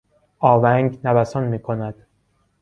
آونگ نوسان میکند.